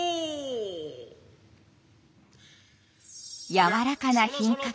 やわらかな品格。